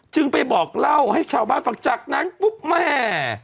จึงไปบอกเล่าให้ชาวบ้านฟังจากนั้นปุ๊บแม่